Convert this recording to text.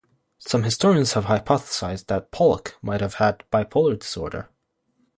Some historians have hypothesized that Pollock might have had bipolar disorder.